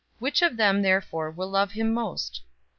Which of them therefore will love him most?"